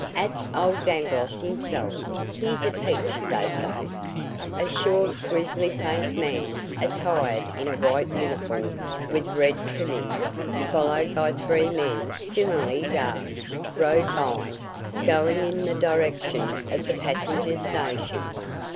'At's old Dangloss himself. He's a peach, dey say." A short, grizzly faced man, attired in a white uniform with red trimmings, followed by three men similarly garbed, rode by, going in the direction of the passenger station.